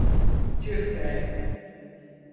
Tüh be!